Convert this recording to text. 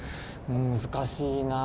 難しいなぁ。